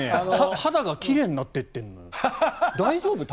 肌が奇麗になってってるのよ。